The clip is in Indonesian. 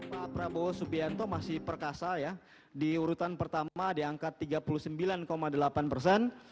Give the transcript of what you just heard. pak prabowo supianto masih perkasa ya diurutan pertama diangkat tiga puluh sembilan delapan persen